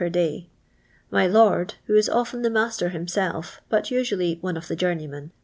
per day. My lord, who is often the master himself, but usually one of the journeymen